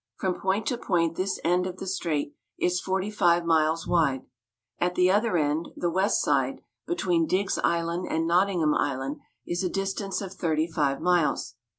From point to point, this end of the strait is forty five miles wide. At the other end, the west side, between Digges' Island and Nottingham Island, is a distance of thirty five miles.